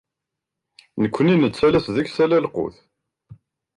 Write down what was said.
Nekni nettalas deg-s ala lqut.